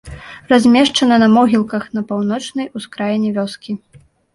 Размешчана на могілках на паўночнай ускраіне вёскі.